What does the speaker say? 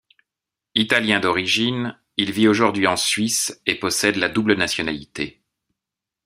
Italien d’origine, il vit aujourd’hui en Suisse et possède la double nationalité.